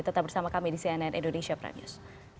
tetap bersama kami di cnn indonesia prime news